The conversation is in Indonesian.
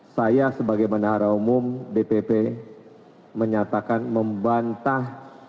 saya sebagai menara umum dpp menyatakan membantah